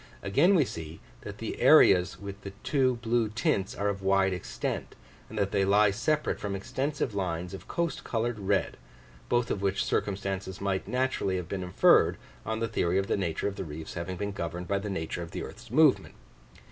Again we see, that the areas with the two blue tints are of wide extent; and that they lie separate from extensive lines of coast coloured red, both of which circumstances might naturally have been inferred, on the theory of the nature of the reefs having been governed by the nature of the earth's movement.